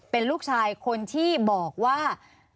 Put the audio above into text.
เป็นลูกชายคนที่บอกว่า